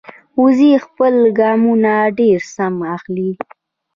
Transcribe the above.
وزې خپل ګامونه ډېر سم اخلي